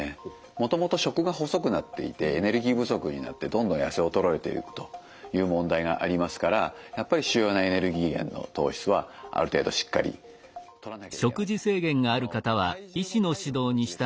もともと食が細くなっていてエネルギー不足になってどんどん痩せ衰えていくという問題がありますからやっぱり主要なエネルギー源の糖質はある程度しっかりとらなきゃいけないと体重も体力のうちですからねはい。